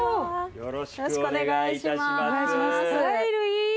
よろしくお願いします。